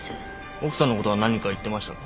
奥さんのことは何か言ってましたか？